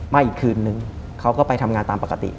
อีกคืนนึงเขาก็ไปทำงานตามปกติ